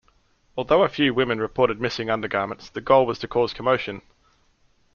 Although a few women reported missing undergarments, the goal was to cause commotion.